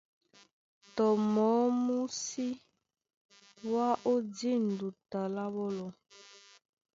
Tɔ mɔɔ́ mú sí wá ó dîn duta lá ɓɔ́lɔ.